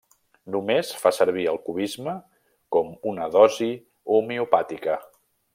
Només fa servir el cubisme com una dosi homeopàtica.